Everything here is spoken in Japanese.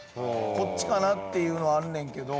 こっちかなっていうのはあんねんけど。